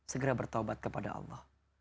segera bertawabat kepada allah